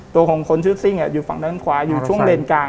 ตัวของคนชื่อซิ่งอยู่ฝั่งด้านขวาอยู่ช่วงเลนกลาง